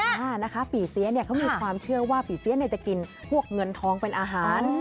อ่านะคะปีเสียเนี่ยเขามีความเชื่อว่าปีเสียเนี่ยจะกินพวกเงินทองเป็นอาหาร